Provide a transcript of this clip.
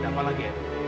ada apa lagi ya